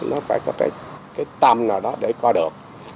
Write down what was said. nó phải có cái tầm nào đó để co được